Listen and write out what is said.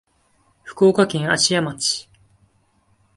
福岡県芦屋町